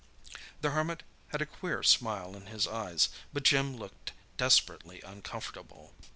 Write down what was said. The Hermit had a queer smile in his eyes, but Jim looked desperately uncomfortable.